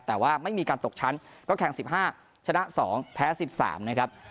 แต่ว่าไม่มีการตกชั้นก็แข่งสิบห้าชนะสองแพ้สิบสามนะครับ